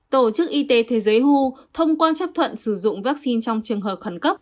tổ chức y tế thế giới who thông quan chấp thuận sử dụng vaccine trong trường hợp khẩn cấp